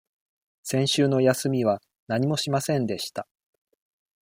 先週の休みは何もしませんでした。